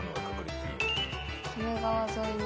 「鬼怒川沿いの」